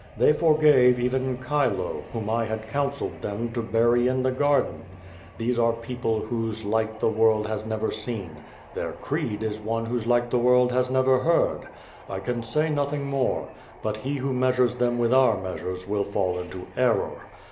They forgave even Chilo, whom J had counselled them to bury in the garden. These are people wliose like the world has never seen. Their creed is one M'hose like the world has never heard. I can say jiothing more. But he who measures them with our measures will fall into error.